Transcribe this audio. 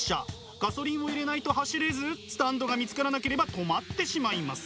ガソリンを入れないと走れずスタンドが見つからなければ止まってしまいます。